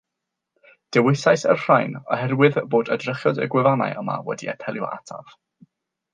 Dewisais y rhain oherwydd bod edrychiad y gwefannau yma wedi apelio ataf